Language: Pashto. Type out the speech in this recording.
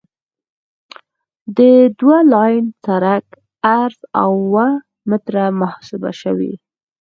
د دوه لاین سرک عرض اوه متره محاسبه شوی دی